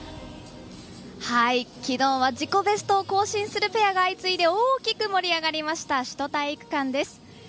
きのうは自己ベストを更新するペアが相次いで大きく盛り上がりました首都体育館です。